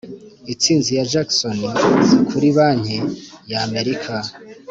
intsinzi ya jackson kuri banki ya amerika